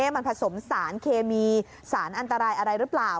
มันผสมสารเคมีสารอันตรายอะไรหรือเปล่า